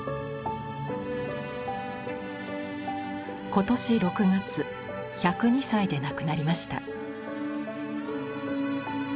今年６月１０２歳で亡くなりました。